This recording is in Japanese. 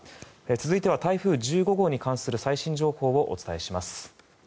続いては、台風１５号に関する最新情報をお伝えします。